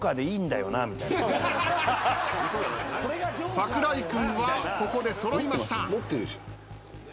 櫻井君はここで揃いました。